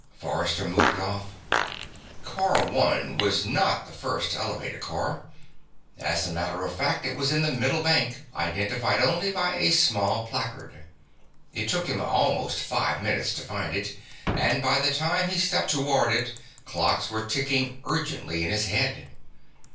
Forrester moved off. Car One was not the first elevator car. As a matter of fact, it was in the middle bank, identified only by a small placard. It took him almost five minutes to find it, and by the time he stepped toward it clocks were ticking urgently in his head.